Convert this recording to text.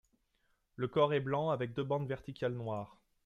Le corps est blanc avec deux bandes verticales noires.